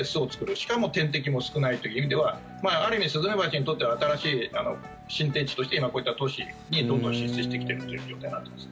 しかも天敵も少ないという意味ではある意味、スズメバチにとっては新しい新天地として今、こういった都市にどんどん進出してきているという状態なんです。